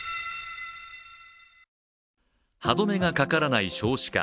歯止めがかからない少子化。